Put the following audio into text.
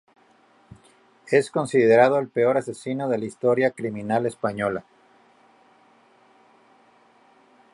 Es considerado el peor asesino de la historia criminal española.